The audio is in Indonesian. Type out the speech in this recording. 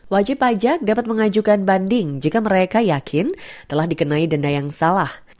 wajib pajak dapat mengajukan banding jika mereka yakin telah dikenai denda yang salah